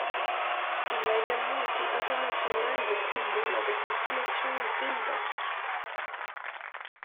Il a également été international de football avec la sélection du Pays basque.